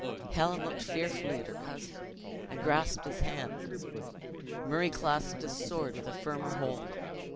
Helen looked fearfully at her cousin, and grasped his hand; Murray clasped his sword with a firmer hold.